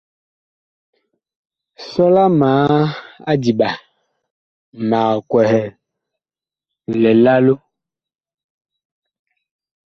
Sɔla ma adiɓa, mag kwɛhɛ lilalo.